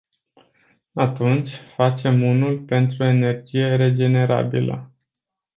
Atunci, facem unul pentru energie regenerabilă.